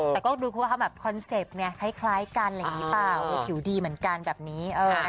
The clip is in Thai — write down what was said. แต่ก็ดูความคอนเซ็ปต์คล้ายกันอะไรอย่างนี้เปล่าผิวดีเหมือนกันแบบนี้